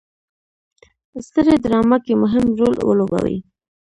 سترې ډرامه کې مهم رول ولوبوي.